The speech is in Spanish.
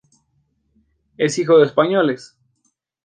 Es hijo de españoles.